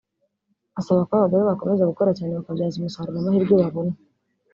asaba ko abagore bakomeza gukora cyane bakabyaza umusaruro amahirwe babona